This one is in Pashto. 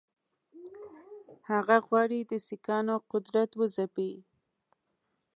هغه غواړي د سیکهانو قدرت وځپي.